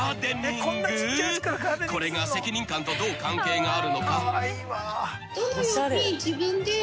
［これが責任感とどう関係があるのか？］